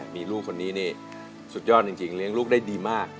มีลูกคนนี้นี่สุดยอดจริงเลี้ยงลูกได้ดีมาก